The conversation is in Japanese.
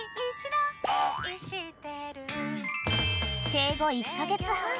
［生後１カ月半